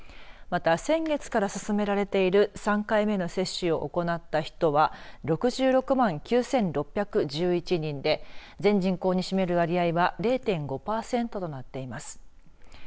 また、先月から進められている３回目の接種を行った人は６６万９６１１人で全人口に占める割合は０．５パーセントとなっています。